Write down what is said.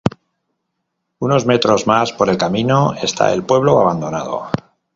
Unos metros más por el camino está el pueblo abandonado.